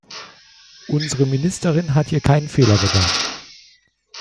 Unsere Ministerin hat hier keinen Fehler begangen.